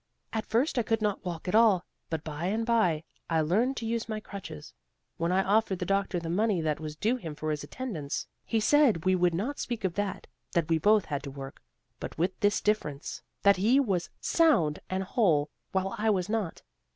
At first I could not walk at all; but bye and bye I learned to use my crutches. When I offered the doctor the money that was due him for his attendance, he said we would not speak of that; that we both had to work, but with this difference, that he was sound and whole, while I was not.